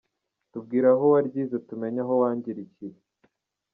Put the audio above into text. Tubwire aho waryize tumenye aho wangirikiye.